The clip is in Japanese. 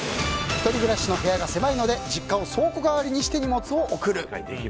１人暮らしの部屋が狭いので実家を倉庫代わりにして荷物を送る。